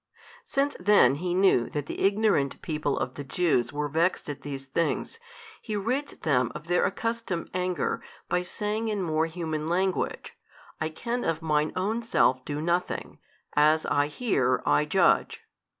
Since then He knew that the ignorant people of the Jews were vexed at these things, He rids them of their accustomed anger by saying in more human language, I can of Mine Own self do nothing: as I hear, I judge.